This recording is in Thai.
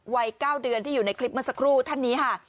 วัย๙เดือนที่อยู่ในคลิปเมื่อสักครู่ท่านนี้ค่ะ